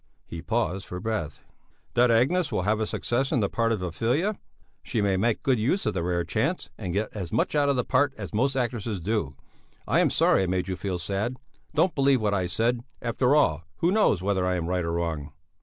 He paused for breath. "That Agnes will have a success in the part of Ophelia? She may make good use of the rare chance and get as much out of the part as most actresses do. I am sorry I made you feel sad; don't believe what I said; after all, who knows whether I am right or wrong?"